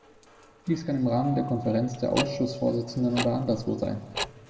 Dies kann im Rahmen der Konferenz der Ausschussvorsitzenden oder anderswo sein.